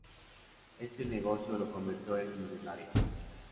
Este negocio lo convirtió en millonario.